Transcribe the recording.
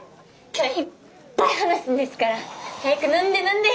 今日はいっぱい話すんですから早く飲んで飲んで。